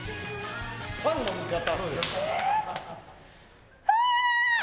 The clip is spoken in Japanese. ファンの見方。